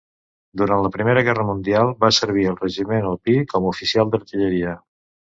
Durant la Primera Guerra Mundial va servir al regiment alpí com a oficial d'artilleria.